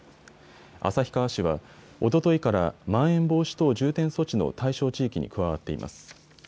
旭川市は、おとといからまん延防止等重点措置の対象地域に加わっています。